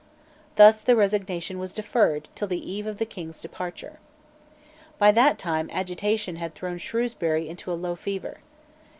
Thus the resignation was deferred till the eve of the King's departure. By that time agitation had thrown Shrewsbury into a low fever.